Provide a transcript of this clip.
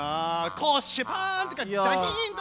こうシュパーン！とかジャキーン！とか。